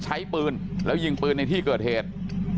ใช้ปืนแล้วยิงปืนในที่เกิดเหตุ